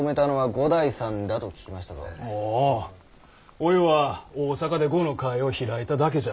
おいは大阪で碁の会を開いただけじゃ。